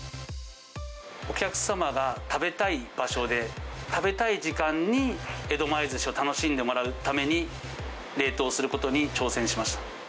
お客様が食べたい場所で、食べたい時間に江戸前ずしを楽しんでもらうために、冷凍することに挑戦しました。